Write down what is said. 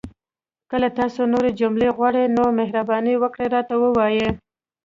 که تاسو نورې جملې غواړئ، نو مهرباني وکړئ راته ووایئ!